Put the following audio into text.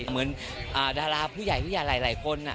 เหมือนดาราผู้ใหญ่ผู้ใหญ่หลายคน